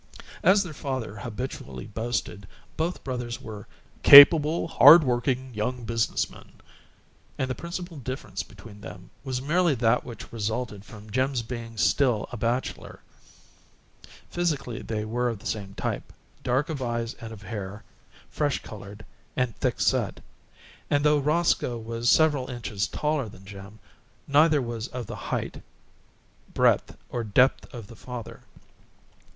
As their father habitually boasted, both brothers were "capable, hard working young business men," and the principal difference between them was merely that which resulted from Jim's being still a bachelor. Physically they were of the same type: dark of eyes and of hair, fresh colored and thick set, and though Roscoe was several inches taller than Jim, neither was of the height, breadth, or depth of the father.